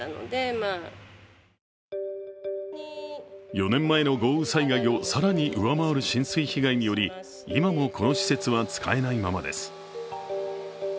４年前の豪雨災害を更に上回る浸水被害により今もこの施設は使えないままです。